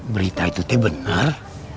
berita itu tuh bener